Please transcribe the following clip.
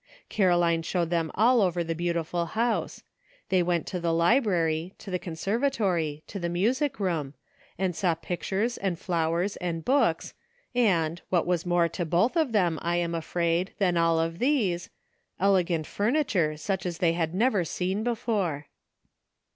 Caroline showed them all over the beautiful house ; they went to the library, to the conservatory, to the music room, and saw pictures and flowers and books, and, what was more to both of them, I am afraid, than all of these, elegant furniture such as they had never seen before.